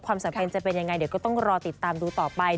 สัมพันธ์จะเป็นยังไงเดี๋ยวก็ต้องรอติดตามดูต่อไป